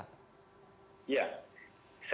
itu sendiri terhadap pemberantasan korupsi di indonesia